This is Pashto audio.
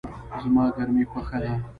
زما ګرمی خوښه ده